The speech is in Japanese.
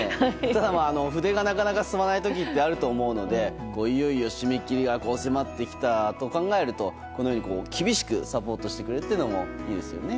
ただ、筆がなかなか進まない時ってあるのでいよいよ締め切りが迫ってきたと考えると、このように厳しくサポートしてくれるのもいいですよね。